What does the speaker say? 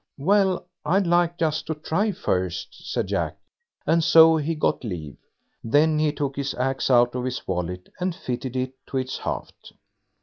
"Well, I'd like just to try first", said Jack, and so he got leave. Then he took his axe out of his wallet and fitted it to its haft.